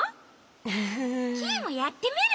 フフフ。キイもやってみる！